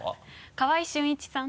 川合俊一さん。